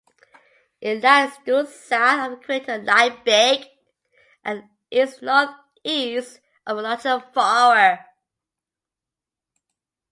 It lies due south of the crater Liebig and east-northeast of the larger Fourier.